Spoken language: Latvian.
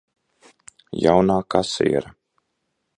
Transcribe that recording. Jaunā kasiere.